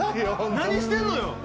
何してんのよ？